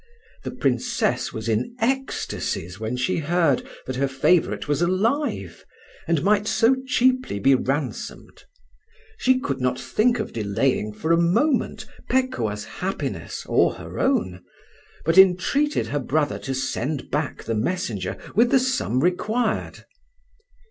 The Princess was in ecstasies when she heard that her favourite was alive, and might so cheaply be ransomed. She could not think of delaying for a moment Pekuah's happiness or her own, but entreated her brother to send back the messenger with the sum required.